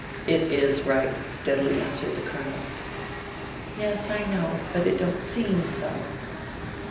"It IS right," steadily answered the Colonel. "Yes, I know. But it don't SEEM so."